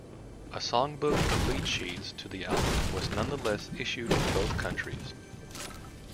A songbook of lead sheets to the album was nonetheless issued in both countries.